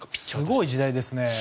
すごい時代ですよね。